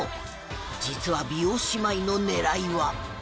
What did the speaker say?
実は美容姉妹の狙いは